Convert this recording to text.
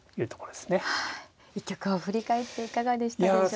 はい一局を振り返っていかがでしたでしょうか。